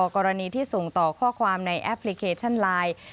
กรณีที่ส่งต่อข้อความในแอปพลิเคชันไลน์